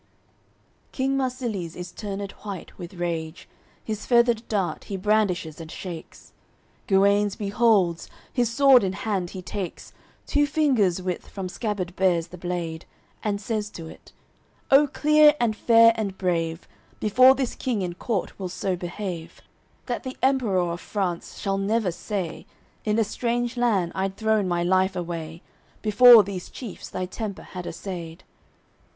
AOI. XXXIV King Marsilies is turn'ed white with rage, His feathered dart he brandishes and shakes. Guenes beholds: his sword in hand he takes, Two fingers' width from scabbard bares the blade; And says to it: "O clear and fair and brave; Before this King in court we'll so behave, That the Emperour of France shall never say In a strange land I'd thrown my life away Before these chiefs thy temper had essayed."